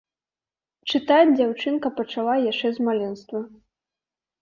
Чытаць дзяўчынка пачала яшчэ з маленства.